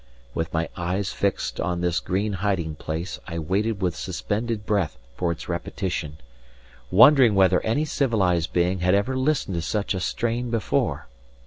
With my eyes fixed on this green hiding place I waited with suspended breath for its repetition, wondering whether any civilized being had ever listened to such a strain before.